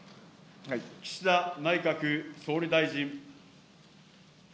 岸田内閣総理大臣。